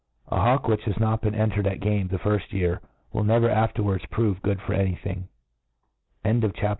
A hawk which has not been entered at game the firflt year, will never afterwards prove good for any thing. CHAP.